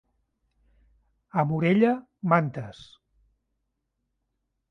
A Morella, mantes.